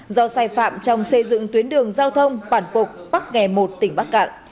do sai phạm trong xây dựng tuyến đường giao thông bản phục bắc nghè một tỉnh bắc cạn